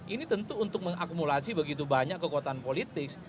ini tentu untuk mengakumulasi begitu banyak kekuatan politik